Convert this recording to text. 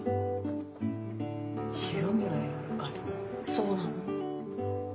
そうなの。